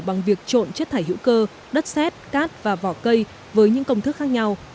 bằng việc trộn chất thải hữu cơ đất xét cát và vỏ cây với những công thức khác nhau